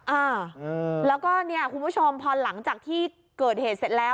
อ่าแล้วก็เนี่ยคุณผู้ชมพอหลังจากที่เกิดเหตุเสร็จแล้ว